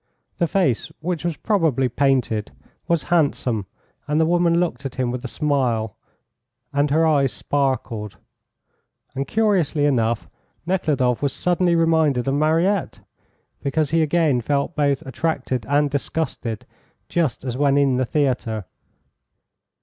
The face, which was probably painted, was handsome, and the woman looked at him with a smile and her eyes sparkled. And, curiously enough, Nekhludoff was suddenly reminded of Mariette, because he again felt both attracted and disgusted just as when in the theatre.